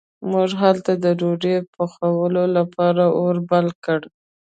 موږ هلته د ډوډۍ پخولو لپاره اور بل کړ.